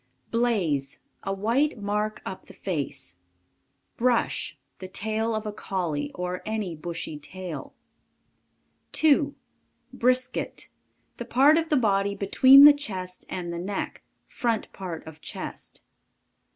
Blaze. A white mark up the face. Brush. The tail of a Collie, or any bushy tail. 2. BRISKET. The part of the body between the chest and the neck. Front part of chest.